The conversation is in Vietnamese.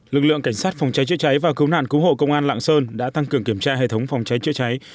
lực lượng cảnh sát phòng cháy chữa cháy và cứu nạn cứu hộ công an lạng sơn đã tăng cường kiểm tra hệ thống phòng cháy chữa cháy